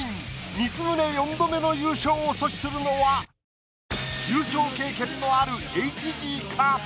光宗４度目の優勝を阻止するのは優勝経験のあるＨＧか？